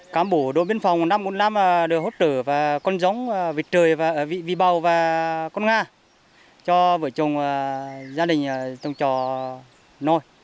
cám bộ đội biên phòng năm trăm bốn mươi năm được hỗ trợ và con dống vịt trời và vị bào và con nga cho vợ chồng gia đình trong trò nuôi